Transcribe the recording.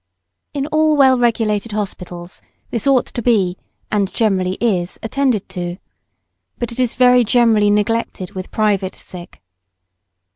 In all well regulated hospitals this ought to be, and generally is, attended to. But it is very generally neglected with private sick.